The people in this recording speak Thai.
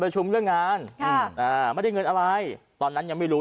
ประชุมเรื่องงานค่ะอ่าไม่ได้เงินอะไรตอนนั้นยังไม่รู้